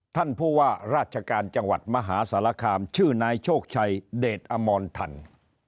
ท่านผู้ว่าราชการจังหวัดมหาสารคามชื่อนายโชคชัยเดชอมรทัน